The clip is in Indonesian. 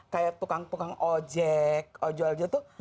kayak tukang tukang ojek ojol ojol tuh